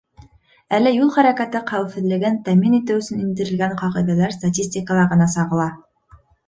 Әле юл хәрәкәте хәүефһеҙлеген тәьмин итеү өсөн индерелгән ҡағиҙәләр статистикала ғына сағыла.